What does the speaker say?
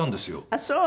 あっそう。